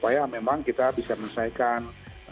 karena memang kita bisa menyesuaikan